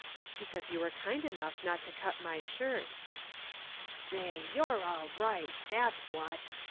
"Because you were kind enough not to cut my shirt." "Say, you're all right, that's what.